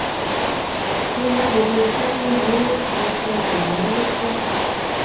Kimagogertoi kingoyayak tuguk choto magigertoi